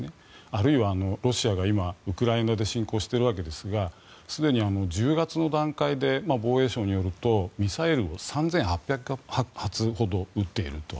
あるいはロシアが今ウクライナに侵攻しているわけですがすでに１０月の段階で防衛省によるとミサイルを３８００発ほど撃っていると。